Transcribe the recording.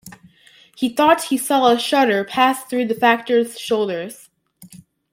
He thought he saw a shudder pass through the Factor's shoulders.